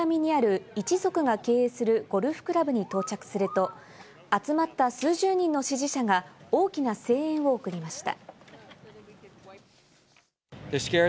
トランプ氏がフロリダ州マイアミにある一族が経営するゴルフクラブに到着すると、集まった数十人の支持者が大きな声援を送りました。